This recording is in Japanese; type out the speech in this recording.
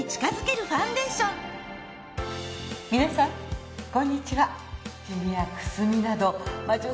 皆さんこんにちは。